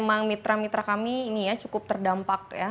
memang mitra mitra kami ini ya cukup terdampak ya